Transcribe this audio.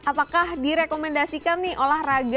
apakah direkomendasikan nih olahraga